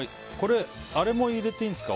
あれも入れていいんですか？